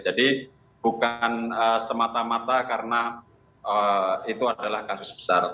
jadi bukan semata mata karena itu adalah kasus besar